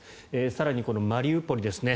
更に、マリウポリですね